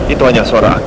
itu hanya suara akhir